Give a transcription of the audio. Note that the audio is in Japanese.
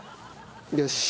よし。